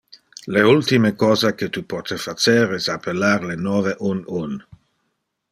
Le ultime cosa que tu pote facer es appellar le nove-uno-uno.